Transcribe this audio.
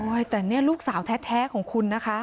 แต่นี่ลูกสาวแท้ของคุณนะคะ